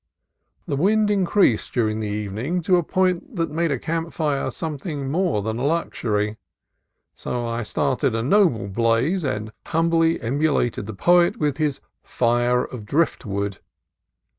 The wind increased during the evening to a point that made a camp fire something more than a lux ury ; so I started a noble blaze and humbly emulated the poet with his "Fire of Driftwood."